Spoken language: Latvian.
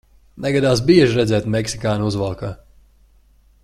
Negadās bieži redzēt meksikāni uzvalkā.